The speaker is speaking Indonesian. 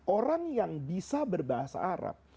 orang yang bisa berbahasa arab